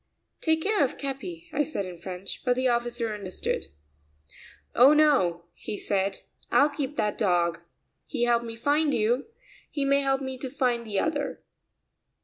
"Take care of Capi," I said in French, but the officer understood. "Oh, no," he said; "I'll keep that dog. He helped me to find you; he may help me to find the other."